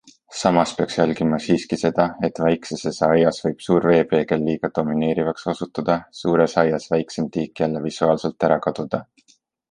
Samas peaks jälgima siiski seda, et väikseses aias võib suur veepeegel liiga domineerivaks osutuda, suures aias väiksem tiik jälle visuaalselt ära kaduda.